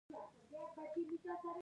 خلک دې د خبرو لپاره حق ولري.